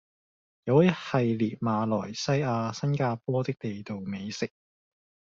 有一系列馬來西亞、新加坡的地道美食